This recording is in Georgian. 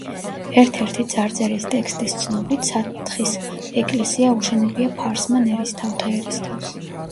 ერთ–ერთი წარწერის ტექსტის ცნობით, სათხის ეკლესია აუშენებია ფარსმან ერისთავთა ერისთავს.